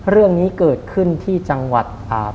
เรื่องนี้เกิดขึ้นที่จังหวัดอ่า